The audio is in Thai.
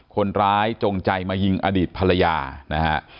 คนร้ายจงใจมายิงอดีตภรรยานะฮะ